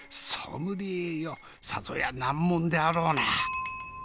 ソムリエよさぞや難問であろうな。